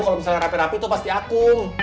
kalau misalnya rapi rapi itu pasti aku